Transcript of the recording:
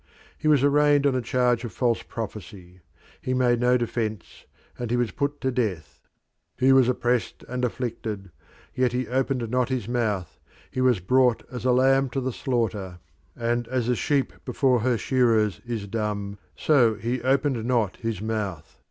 He was arraigned on a charge of false prophecy; he made no defence, and he was put to death. "He was oppressed and afflicted, yet he opened not his mouth: he was brought as a lamb to the slaughter, and as a sheep before her shearers is dumb, so he opened not his mouth.